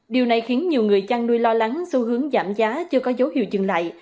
điều này khiến nhiều người chăn nuôi lo lắng xu hướng giảm giá chưa có dấu hiệu dừng lại